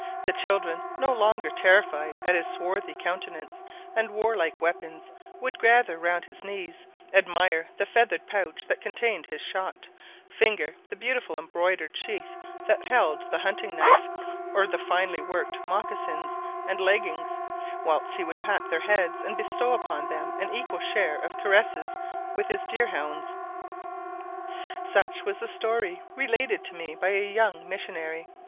The children, no longer terrified at his swarthy countenance and warlike weapons, would gather round his knees, admire the feathered pouch that contained his shot, finger the beautiful embroidered sheath that held the hunting knife, or the finely worked mocassins and leggings; whilst he would pat their heads, and bestow upon them an equal share of caresses with his deer hounds. Such was the story related to me by a young missionary.